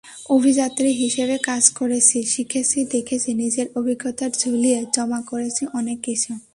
অভিযাত্রী হিসেবে কাজ করেছি, শিখেছি, দেখেছি—নিজের অভিজ্ঞতার ঝুলিতে জমা করেছি অনেক কিছু।